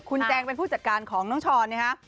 คุณแจงเป็นผู้จัดการของน้องช้อนนะฮะ